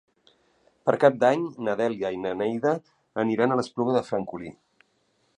Per Cap d'Any na Dèlia i na Neida aniran a l'Espluga de Francolí.